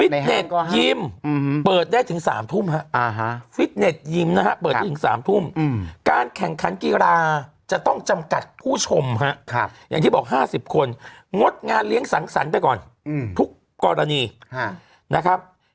ฟิตเนทยิมเปิดได้ถึง๓ทุ่มครับการแข่งขันกีฬาจะต้องจำกัดผู้ชมครับอย่างที่บอก๕๐คนงดงานเลี้ยงสังสรรค์ได้ก่อนทุกกรณีนะครับ